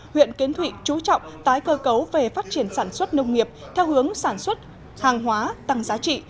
huyện kiến thụy chú trọng tái cơ cấu về phát triển sản xuất nông nghiệp theo hướng sản xuất hàng hóa tăng giá trị